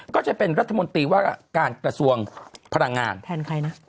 ก็จะเป็นรัฐมนตรีว่าการกระทรวงพลังงานแทนใครนะ